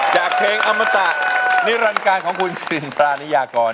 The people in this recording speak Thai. จากเพลงอมตะนิรันการของคุณสิรินตรานิยากร